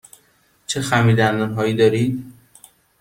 چه خمیردندان هایی دارید؟